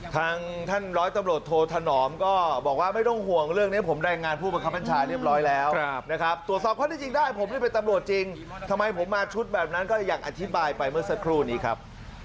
ทางท่านร้อยตำรวจโทธนอมก็บอกว่าไม่ต้องห่วงเรื่องนี้ผมรายงานผู้บังคับบัญชาเรียบร้อยแล้วนะครับตรวจสอบข้อที่จริงได้ผมนี่เป็นตำรวจจริงทำไมผมมาชุดแบบนั้นก็อย่างอธิบายไปเมื่อสักครู่นี้ครับ